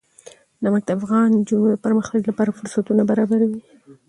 نمک د افغان نجونو د پرمختګ لپاره فرصتونه برابروي.